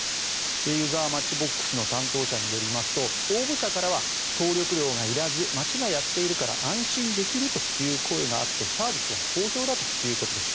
ゆざわマッチボックスの担当者によりますと応募者からは登録料がいらず町がやっているから安心できるという声があってサービスは好評だということです。